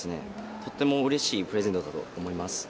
とてもうれしいプレゼントだと思います。